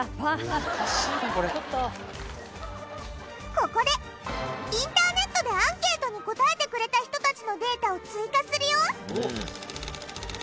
ここでインターネットでアンケートに答えてくれた人たちのデータを追加するよ。